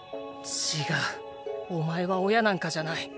ちがうお前は親なんかじゃない。